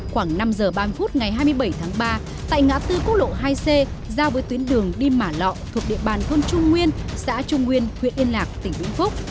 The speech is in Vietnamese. khoảng năm giờ ba mươi phút ngày hai mươi bảy tháng ba tại ngã tư quốc lộ hai c giao với tuyến đường đi mả lọ thuộc địa bàn thôn trung nguyên xã trung nguyên huyện yên lạc tỉnh vĩnh phúc